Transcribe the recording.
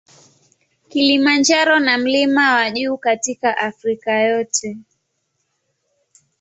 Kilimanjaro na mlima wa juu katika Afrika yote.